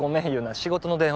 仕事の電話